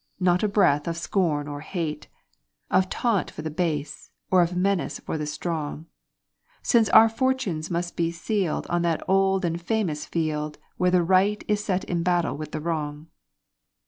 not a breath of scorn or hate Of taunt for the base, or of menace for the strong Since our fortunes must be sealed on that old and famous Field Where the Right is set in battle with the Wrong.